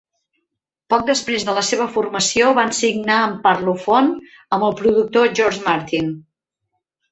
Poc després de la seva formació, van signar amb Parlophone, amb el productor George Martin.